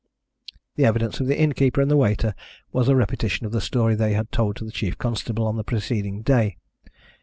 The evidence of the innkeeper and the waiter was a repetition of the story they had told to the chief constable on the preceding day.